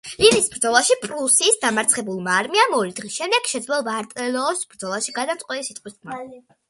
ლინის ბრძოლაში პრუსიის დამარცხებულმა არმიამ ორი დღის შემდეგ შეძლო ვატერლოოს ბრძოლაში გადამწყვეტი სიტყვის თქმა.